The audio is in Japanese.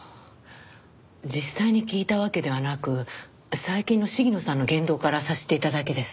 実際に聞いたわけではなく最近の鴫野さんの言動から察していただけです。